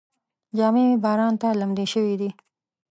جامې مې باران ته لمدې شوې دي.